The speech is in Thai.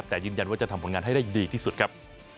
แต่ยืนยันว่าจะทำผลงานให้ได้ดีที่สุดครับ